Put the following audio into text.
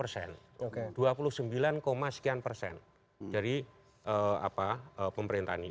dua puluh sembilan sekian persen dari pemerintah ini